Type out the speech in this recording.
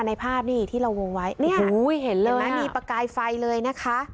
ในภาพนี่ที่เราวงไว้เนี่ยเห็นเลยไหมมีประกายไฟเลยนะคะ